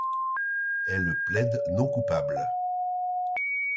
Elles plaident non coupable.